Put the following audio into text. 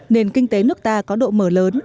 nền kinh tế nước ta có độ mở lớn